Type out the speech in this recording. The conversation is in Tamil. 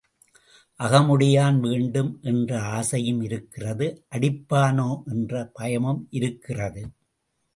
அகமுடையான் வேண்டும் என்ற ஆசையும் இருக்கிறது அடிப்பானோ என்ற பயமும் இருக்கிறது.